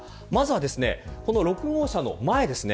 まずは６号車の前です。